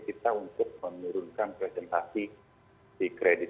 kita untuk menurunkan presentasi di kredit